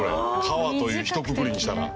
川というひとくくりにしたら。